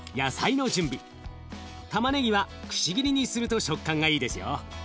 たまねぎは串切りにすると食感がいいですよ。